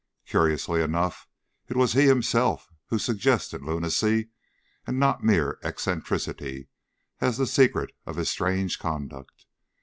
Curiously enough it was he himself who suggested lunacy and not mere eccentricity as the secret of his strange conduct.